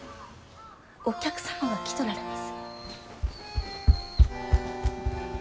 お客様が来とられます。